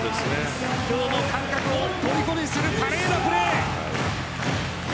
今日も観客をとりこにする華麗なプレー。